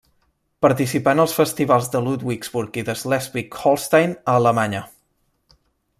Participà en els festivals de Ludwigsburg i de Schleswig-Holstein, a Alemanya.